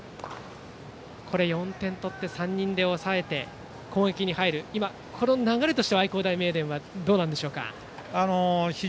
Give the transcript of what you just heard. ４点取って３人で抑えて攻撃に入る、この流れとしては愛工大名電、どうでしょうか。